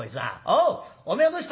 おうお前はどうした？」。